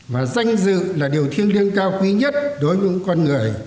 và danh dự là điều thiêng liêng cao quý nhất đối với những con người